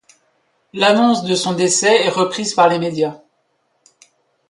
L'annonce de son décès est reprise par les médias.